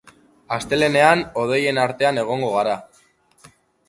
Astelehenean hodeien artean egongo gara.